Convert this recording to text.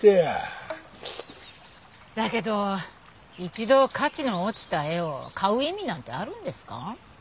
だけど一度価値の落ちた絵を買う意味なんてあるんですか？